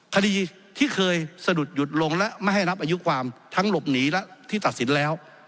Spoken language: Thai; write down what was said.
คดีที่เคยสะดุดหยุดลงและไม่ให้รับอายุความทั้งหลบหนีและที่ตัดสินแล้ว